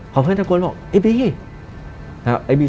พอเพื่อนเรียบร้อยบอกเอ้ยบี